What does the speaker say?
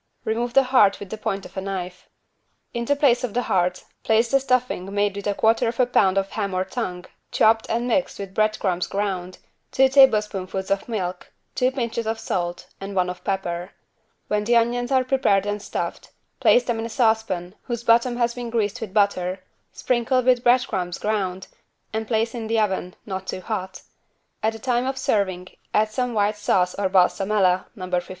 Remove the heart with the point of a knife. In the place of the heart place the stuffing made with 1/4 lb. ham or tongue, chopped and mixed with bread crumbs ground, two tablespoonfuls of milk, two pinches of salt and one of pepper. When the onions are prepared and stuffed place them in a saucepan whose bottom has been greased with butter, sprinkle with bread crumbs ground and place in the oven, not too hot. At the time of serving add some white sauce or =balsamella= (No 54).